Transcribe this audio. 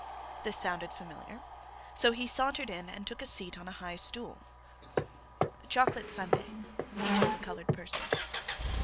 This sounded familiar, so he sauntered in and took a seat on a high stool. "Chocolate sundae," he told a colored person.